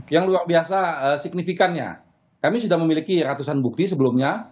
yang luar biasa signifikannya kami sudah memiliki ratusan bukti sebelumnya